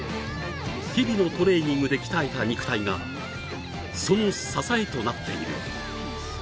日々のトレーニングで鍛えた肉体がその支えとなっている。